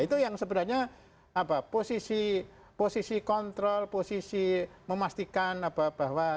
itu yang sebenarnya posisi kontrol posisi memastikan bahwa driver itu karyawan organik